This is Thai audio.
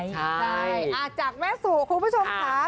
ใช่จากแม่สู่คุณผู้ชมค่ะ